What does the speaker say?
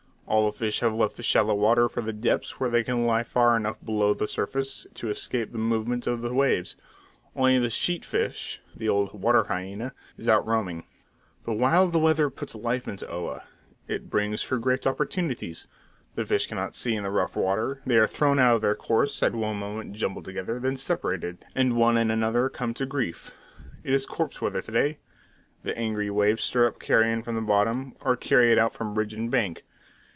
All the fish have left the shallow water for the depths where they can lie far enough below the surface to escape the movement of the waves. Only the sheat fish, the old water hyena, is out roaming. The wild weather puts life into Oa; it brings her great opportunities. The fish cannot see in the rough water, they are thrown out of their course, at one moment jumbled together, then separated; and one and another come to grief. It is corpse weather today. The angry waves stir up carrion from the bottom, or carry it out from bridge and bank.